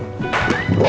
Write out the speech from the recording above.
ya udah pasah rekaman